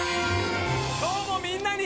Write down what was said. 今日もみんなに。